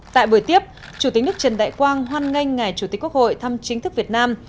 tại buổi tiếp chủ tịch nước trần đại quang hoan nghênh ngài chủ tịch quốc hội thăm chính thức việt nam